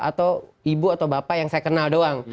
atau ibu atau bapak yang saya kenal doang